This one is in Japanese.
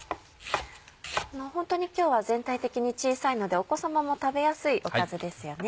ホントに今日は全体的に小さいのでお子さまも食べやすいおかずですよね。